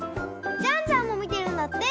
ジャンジャンもみているんだって。